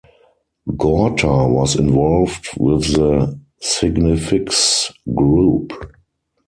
Gorter was involved with the Significs group.